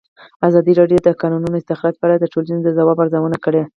ازادي راډیو د د کانونو استخراج په اړه د ټولنې د ځواب ارزونه کړې.